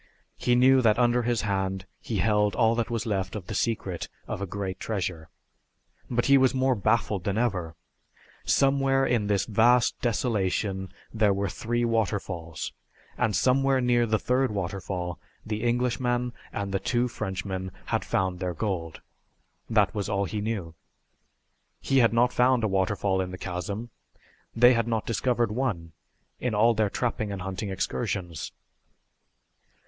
He knew that under his hand he held all that was left of the secret of a great treasure. But he was more baffled than ever. Somewhere in this vast desolation there were three waterfalls, and somewhere near the third waterfall the Englishman and the two Frenchmen had found their gold. That was all he knew. He had not found a waterfall in the chasm; they had not discovered one in all their trapping and hunting excursions.